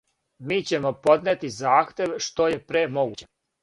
Ми ћемо поднети захтев што је пре могуће.